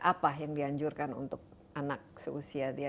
apa yang dianjurkan untuk anak seusia dia